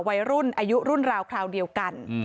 วัยรุ่นอายุรุ่นราวคราวเดียวกัน